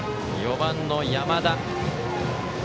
４番の山田。